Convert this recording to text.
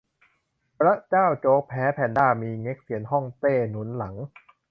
บร๊ะเจ้าโจ๊ก แพ้ แพนด้า มี เง็กเซียนฮ่องเต้หนุนหลัง